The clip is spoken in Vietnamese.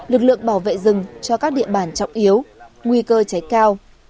lực lượng bảo vệ rừng cho các địa bàn trọng yếu nguy cơ cháy cao